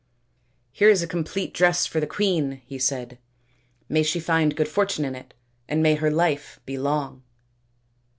" Here is a complete dress for the queen," he said ;" may she find good fortune in it, and may her life be long."